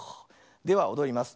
ではおどります。